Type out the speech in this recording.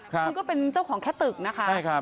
คือก็เป็นเจ้าของแค่ตึกนะคะ